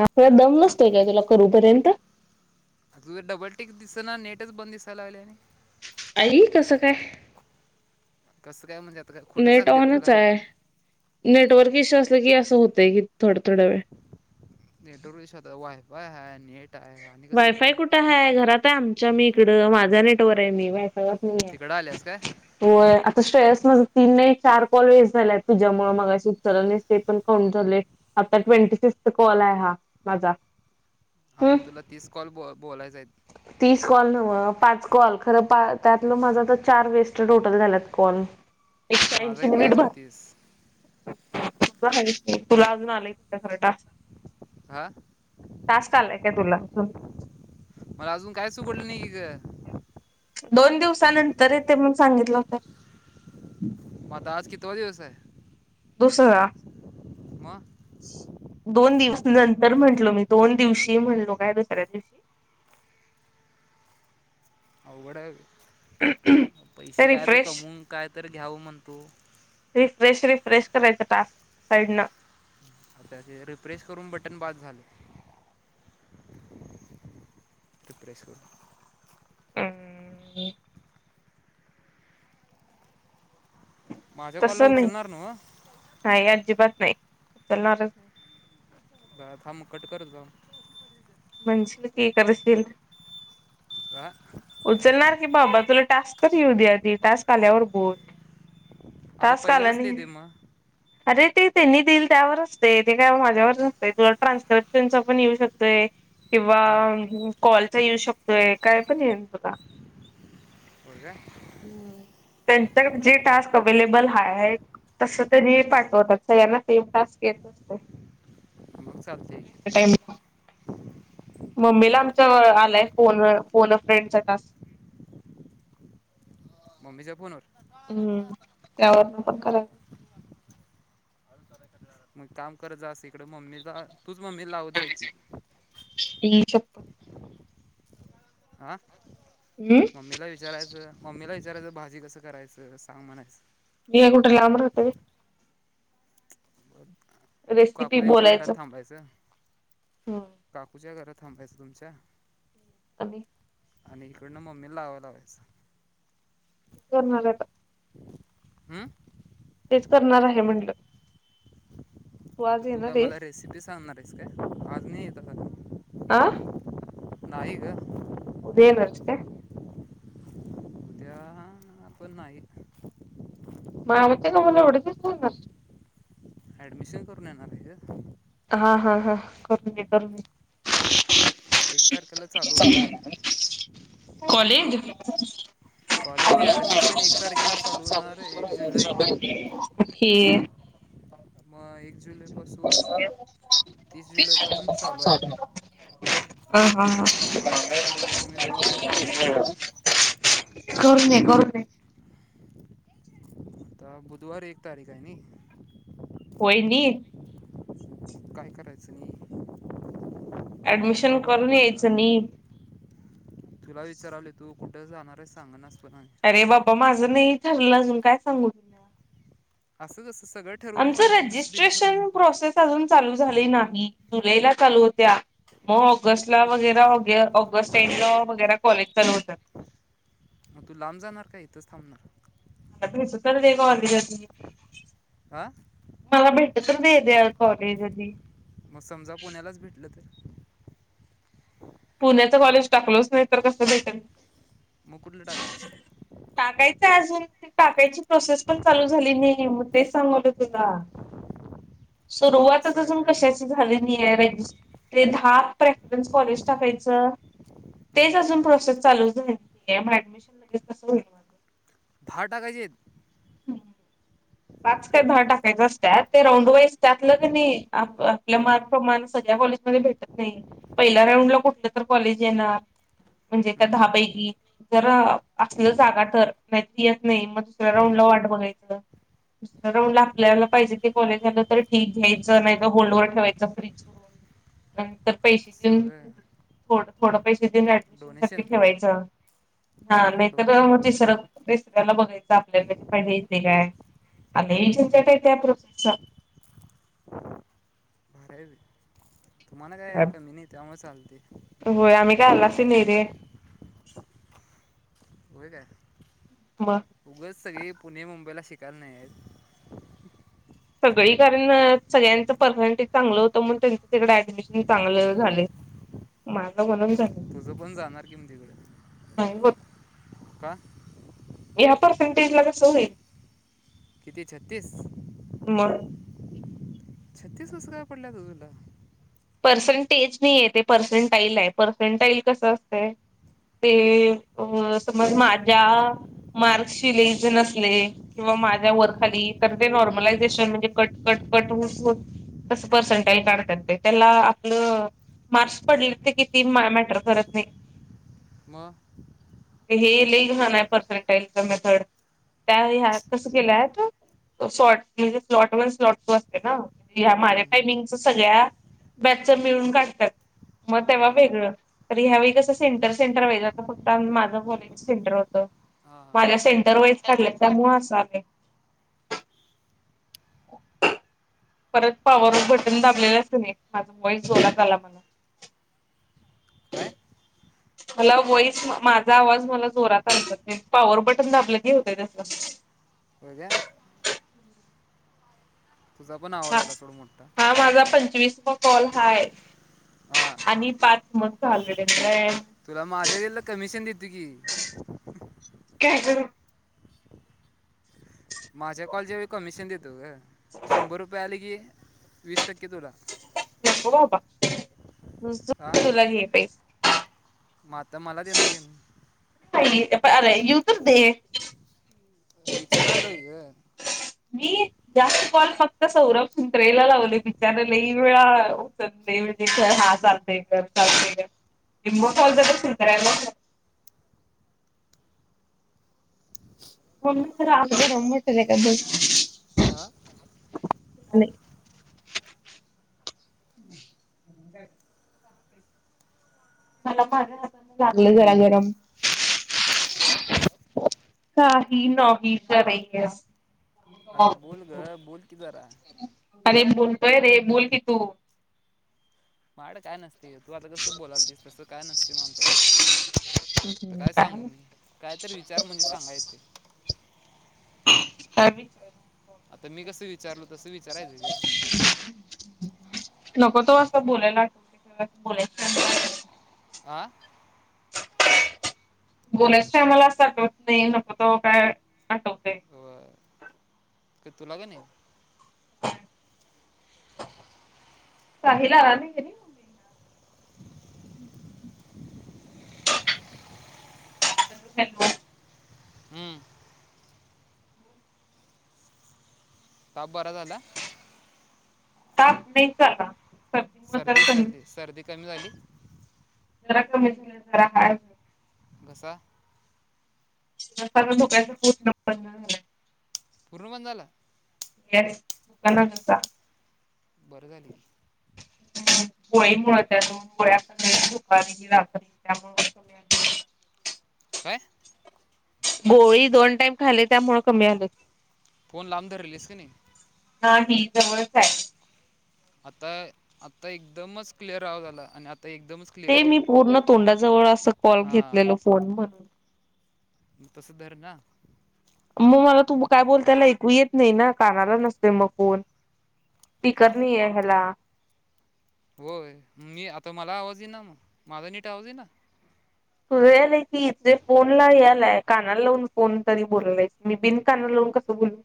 आपला दम नसतोय काय तुला करूपर्यंत. आ तु डबल टिकक दिसना नेटच बंद दिसायला लागले आणि. आई! कसं काय? कसं काय म्हणजे आता? काय खोटं नेट सांगते ऑनच तुला आहे. नेटवर्क इशू असलं की, असं होतय की थोड. नटवर्क वयफाय हा नेट. आहे आणि कसं होते वायफाय कुठे ह घरात आहे? आमच्या मी इकड माझ्या नेटवर आहे मी वाया. तिकडं आल्यास काय नाई, त श्रेयस माझ तीन नाही चार कॉल वेस्ट झालाय तुझ्यामुळे मगाशी उ चरलने ते पण काउंट झाले. आता ट्वेंटी फिक्स्थ कॉल आहे हा माझा. हम्म अजून तुला तीस कॉल ब बोलायचय. तीस कॉल नव्ह पाच कॉल खरं त्यातलं माझा तर चार वेस्ट टोटल झालात कॉल. एकशे माझा ऐंशी आहेत की निमिट बर. अजून तीस [inaudible] तु तुला अजून आलंय क खरं टास्क? हा टास्क आलाय? काय तुला [inaudible] मला अजून काय चकडलं नाही ग. [inaudible] दोन दिवसानंतर येते म्हण सांगितलं हो तर. [inaudible] मता आज कि तो दिवस आहे. दुस मग दोन दिवस नंतर म्हण. म्हलो मी दोन दिवशी म्हणलो काय दुसऱ्या दिवशी [inaudible] अवघड ते पैसे काय तर रिफ्रेश कमवून काय तरी घ्यावं म्हणतो. रिफ्रेश रिफ्रेश करायचं टास्क साईडन. आता रिफ्रेश करून बटन बाद झाले, रिफ्रेश करतो. [unintelligible] माझ्या तस कॉलला नाही. उचलणार ना [inaudible] नाही अजजिबात नाही. उचलणारच नाही. [inaudible] ग थांब कट करत जा. मन क करशील. [inaudible] का? उचलणार की बाबा तुला टास्क तर घेऊ द्या आ ती टास्क आल्यावर बोल. आता टास्क पहिलं आला कसले नाही येत मग? अरे ते त्यांनी दिल त्यावरचते ते काय माझ्यावर असते तुला ट्रान्सक्रिप्शनच पण येऊ शकतय. किंवा हां कॉलचा यूज शकतोय काय पण ये तुला. हो का? त्यांच्या जे टास्क अवेलेबल ह आहे तस येईल. पाठवतात सगळ्यांना सेम टास्क येत असतो. चालते, टाइमला मम्मीला आमच आलाय फोन फोन फ्रेंडस आहे टास्क. [inaudible] मम्मीच्या पू न, हम्म त्यावरन पण करा, मग काम करत जासं इकडं मम्मीला तूच मम्मी लावत जाय की, [inaudible] हा हम्म मम्मीला विचारायचं मम्मीला विच, बिचार्याच भाजी कसं करायचं सांग म्हणायचं, बि कुठे लांबर होत र, तू रेसिपी काकुद्यांच्या घरात बोलायचं थांबायचं, हम्म काकूच्या घरात थांबायचं तुमच्या. [inaudible] आणि इकडन मम्मी लावालावास [unintelligible] हम्म. तेच करणार आहे म्हटल. तर तू काय मला रेसिपी सांगणार आहेस काय आज नाही येत आता आं. नायग काय? ह प नाई. हो. अडमिशन करूनणार का? हा हा हा करून म करू म एक तारखेला चालू होणार आहे. [inaudible] कॉलेजने ॲडमिशन एक तारखेला चालू होणार एक जुलै [unintelligible] हे. मग एक जुलैपासून तीस जुलैपर्यंत चालू आहे हा. ह. मामा म्हटला तू आणि मी जाऊन करून येऊया कोण करण आता बुधवार एक तारीख आहे ना. होय नि काय करायचं नाही. ऍडमिशन थांबायला पाहिजे करून मग यायचं नी आता विचारवली तू कुठे जाणारच सांग ना स्वत अरे बाबा माझं नाही चारलं अजून काय सांगू तुला अससच असस. आमच रजिस्ट्रेशन प्रोसेस अजून चालू. झाले नाम्ही जुलैला चालू होत्या. मग ऑगस्ट ला वगैर ऑगस्ट एंड ला वगैरे कॉलेज चालू होतात. [unintelligible] मग तू लांब जाणार का इथंच थांबणार. सु देखवर ज आ. मला भेटत नाही द कॉलेज मग समजा पुण्यालाच भेटलं तर पुण्याच कॉलेज टाकलोच नाही तर कसं भेटेल. मग कुठलं टाकलेस. टाकायचं अजून टाकायची प्रोसेस पण चालू झाली नाही मग तेच सांगवलं तुला [unintelligible] सुरुवात असं आहे अजून व्हय. कशाची झालेली आहे ते द प्रेफरनस कॉलेज टाकायचं, तेच हम्म. अजून प्रोसेस चालूच झाली. एडमिशन लगेच कसं होईल? भा टाका जेत पाच का दहा टाकायच असत्यात ते राऊंड वाईज त्यातनं की नाही आपल्या हम्म, मार्क प्रमाण सगळ्या कॉलेज मध्ये भेटत नाही, पहिल्या राऊंड ला कुठलं तर कॉलेज येणार. म्हणजे त्या हम्म, हम्म. दहापैकी जर असलं जागा तर नाहीतर येत नाही, मग दुसऱ्या राऊंड वाट बघायचं. राऊंड ला आपल्याला पाहिजे ते कॉलेज आलं तर ठीक घ्यायचं नाहीत होल्डवर ठेवायचं फ्रीज करून. ह तर. पैसे असं व्हय. देऊनो, थोड पैसे देऊन, ऍडमिशन साठी डोनेशन ठेवायचं. हा नाही डोनेशन तर तिसरं [unintelligible] बघायचं आपल्या पाहिजे पाहिजे इथे काय. आणि [unintelligible] आहे त्या प्रोसेस चा भारी आहे बे. तुम्हाला काय कमी नाही त्यामुळे चालतंय. ते नाही रे. व्हय काय? मग. उगच सगळी पुणे मुंबईला शिक कायला नाहीत. सगळी कारण अ सगळ्यांचं परसेंटेज चांगलं होतं म्हणून त्यांचं तिकडं ऍडमिशन चांगलं झालंय. माझं म्हणून मग झाल तुझं पण जाणार की म तिकडे. का? ह्या पर्सेंटेज ला कसं होईल? किती छत्तीस? म. छत्तीस कसं काय पडल्यात ग तुला? पर्सेंटेज नाही ये ते पर्सेनटाईल हाय, पर्सेनटाईल कसं असतंय? ते, अ समज माझ्या मार्क्सशी लई जण असले किंवा माझ्या वर खाली तर ते नॉर्मलायझेशन म्हणजे कट कट कट होत होत तसं पर्सेंटाइल काढत्यात ते. त्याला आपलं, मार्क्स पडले ते किती मॅटर करत नाही. आ. हे लई घाण हाय पर्सेंटाइलच मेथड, त्या ह्या कसं केल्यात सॉट म्हणजे स्लॉट वन, स्लॉट टू असतय ना? ह्या माझ्या हम्म, हम्म. टायमिंगच्या सगळ्या बॅचचं मिळून काढत्यात, मग तेव्हा हां वेगळं. तर ह्यावेेळी कसं सेंटर सेंटर वॉईज, आता फक्त माझं कॉलेजच सेंटर होतं. हां हां माझ्या सेंटर वाईज काढल्यात दरवेळेस का त्यामुळं असं आलंय. [inaudible] परत पॉवर ऑफ बटन दाबल्यालास कणी, माझा व्हॉईस जोरात आला मला. काय? मला व्हाईस माझा आवाज मला जोरात आलता, पॉवर बटन दाबलं की होतंय तसं. [inaudible] होय काय? तुझा पण हा. आवाज आला सोड मोठा हा माझा पंचवीसवा कॉल हाय. हा आणि पाच मग झालं [unintelligible] तुला माझ्या हेज्यातलं कमिशन देतो की. काय करू? माझ्या काॅलचेवेळी कमिशन देतो गं शंभर रुपये आले की वीस टक्क कि तुला. नुस्तं तुला घे पैशे. म आत्ता मला देणार क नी? इ एप आर आय येऊ तर दे. विचारालोय गं. मी जास्त कॉल फक्त सौरभ सुंत्रेला लावले बिचारं लई वेळा हां चालतंय कर चालतंय गं. निम्मं कॉल तर त्या सांत्र्याला [inaudible] ममी जरा अंग गरम वाटलंय काय बग. हा नई [inaudible] मला माझ्या हाताला लागलं जरा गरम. काय काही नाही करायल्या. अगं बोल गं, बोल की जरा. अरे बोलतोय रे, बोल की तू. मायाडं काय नसते, तू आता कसं बोलालतीस, तसं काय नसते म आमच्याडं. आता काय सांगू मी? कायतर विचार म्हणजे सांगाय येतंय. काय विचारणार? आता मी कसं विचारलो तसं विचारायचं ग? नको तवा असं बोलायला आठवतय, तुला बोलायच्या टाईमिंगला आं. बोलायच्या टायमाला असं आठवत नाही नको तवा काय आठवतय? क तुला कणी साहिल आला नाही काय रे? [inaudible] [unintelligible] हम्म ताप बरा झाला. ताप नाहीच आला. सर्दी, सर्दी, सर्दी कमी झाली. होय घरात हाय. का? दुपारचं झोपायच पूर्ण बंद झालय. पूर्ण बंद झाला. म्हणत होता. बरं झालं की, गोळीमुळे त्या दोन गोळ्या आणलेल्या दुपारी रात्री त्यामुळे काय? गोळी दोन टाइम खाली त्यामुळ कमी आलं. फोन लांब धरलेलीस क नी नाही जवळचं हाय. आता आता एकदमच क्लिअर आवाज आला आणि आत ते मी पूर्ण तोंडाजवळ असं कॉल हा घेतलेलो फोन म्हणून तसं धर ना. म मला तू काय बोलतेलं ऐकू येत नाही ना? कानाला नसतय मग फोन हा स्पीकर नाहीए ह्याला होय मी आता मला आवाज इना माझा नीट आवाज इना तुझ यालय कीे फोन ला यालाय कानाला लावून, फोन तरी बोलालाईस मी बिन कानाला लावून म कस बोलू.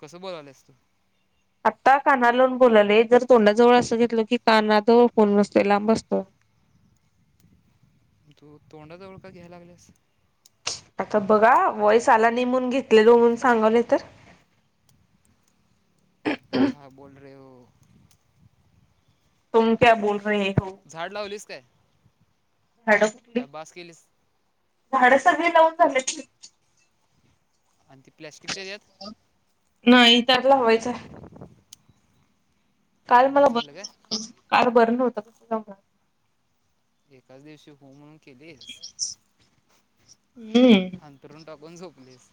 कसं बोलाल्यास तू. आता कानाला लावून बोलाले जर तोंडाजवळ असं घेतलं, की काना जवळ फोन नसतोय लांब असतो. [inaudible] तू तोंडाजवळ का घ्याय लागल्यास. आता बघ हा व्हाईस आला नाही म्हणून घेतलेलो, म्हणून सांगालोय तर [inaudible] हा बोल रे हो झाड [unintelligible] झाडं कुठली का बास केलीस? झाडं सगळी लावून झालेत की, आणि ते प्लॅस्टिक च्या हेच्यात नाइ त्यात लावायच हाय. काल मला बास बर झालं काय नव्हत, काल बरं नव्हत म्हणून राहिलं. एकाच दिवशी हू म्हणून केलीस, [inaudible] हांतरुण टाकून झोपलीस.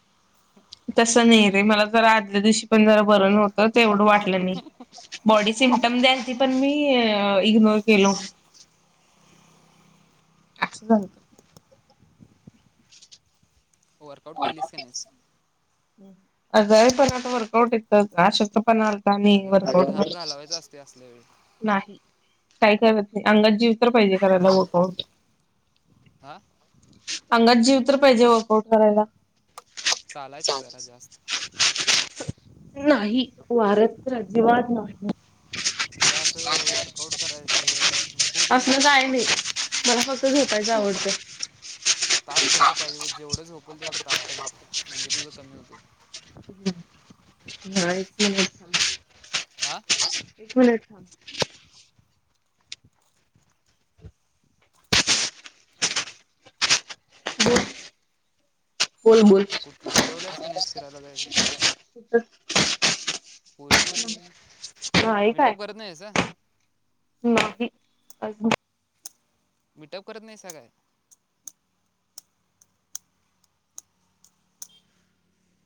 तस नाही रे मला जरा आदल्या दिवशी पण जरा, बरं नव्हत तेवढं वाटलं नाई, बॉडी सिमटम द्यालति पण मी अ इग्नोर केलो. आस झाल वर्कआउट केलीस काय? हम् आजाय पण आता वर्कआउट [unintelligible] पना अल्ता नी अगं उलट वर्कआउट घाम घालावायचा [unintelligible] असतो असल्या वेळी नाइ काय करत नाइ अंगात जीव तर पाहिजे करायला वर्कआऊट हा अंगात जीव तर पाहिजे वर्कआउट करायला. चालायच जरा जास्त. नाही वाऱ्यात तर अजिबात नको. तुला असं वर्कआउट करायचं नको होती की असल काय नाही, मला फक्त झोप झोपायचं आहे आवडतंय. ते ताप तस पाहिजे, जेवढं झोपल तेवढं ताप कमी, म्हणजे तुझं कमी होतय. [unintelligible] आ एक मिनट थांब. बोल. बोल. कुठ ठरवल्यास काय नाइस फिरायला जायचं. पोरी-पोरी नाही काय मीटअप करत नाही असा नाही [unintelligible] मिटप करत नाइसा काय?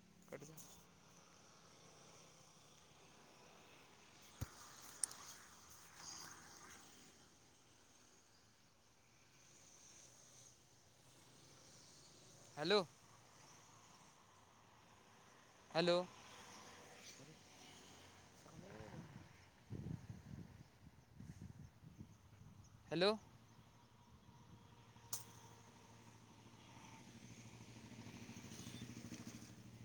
[unintelligible] Hello hello hello